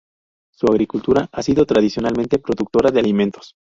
Su agricultura ha sido tradicionalmente productora de alimentos.